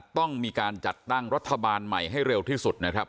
ต้องมีการจัดตั้งรัฐบาลใหม่ให้เร็วที่สุดนะครับ